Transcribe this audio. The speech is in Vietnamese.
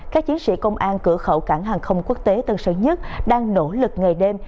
các chiến sĩ công an cửa khẩu cảng hàng không quốc tế tân sơn nhất đang nỗ lực ngày đêm